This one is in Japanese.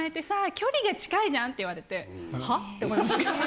距離が近いじゃん」って言われて「はっ？」って思いました。